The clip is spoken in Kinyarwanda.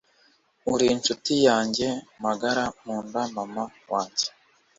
uri inshuti yanjye magara nkunda mama wanjye.